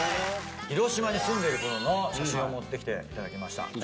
「広島に住んでるころの写真を持ってきていただきました」